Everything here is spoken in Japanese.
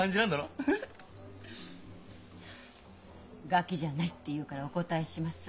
ガキじゃないって言うからお答えします。